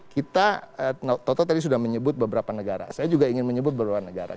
kita toto tadi sudah menyebut beberapa negara saya juga ingin menyebut beberapa negara